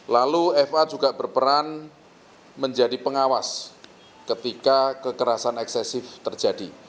lalu fa juga berperan menjadi pengawas ketika kekerasan eksesif terjadi